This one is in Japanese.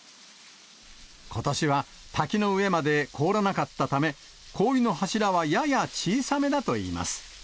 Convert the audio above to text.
ことしは滝の上まで凍らなかったため、氷の柱はやや小さめだといいます。